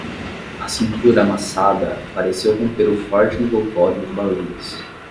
A cintura amassada pareceu romper o forte envoltório de baleias.